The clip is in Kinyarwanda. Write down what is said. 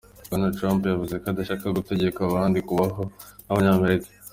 Bwana Trump yavuze ko adashaka gutegeka abandi kubaho nk'abanyamerika.